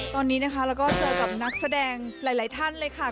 ตอนนี้นะคะเราก็เจอกับนักแสดงหลายท่านเลยค่ะ